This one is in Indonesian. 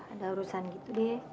ada urusan gitu deh